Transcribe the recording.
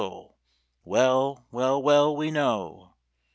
Well, well, well, we know!